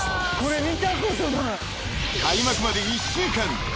［開幕まで１週間。